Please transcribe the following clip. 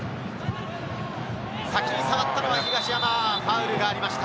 先に触ったのは東山、ファウルがありました。